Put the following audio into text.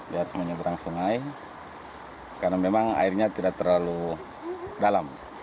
karena memang airnya tidak terlalu dalam